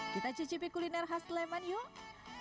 kita cicipi kuliner khas sleman yuk